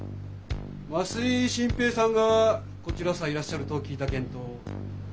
増井新平さんがこちらさいらっしゃると聞いたげんど。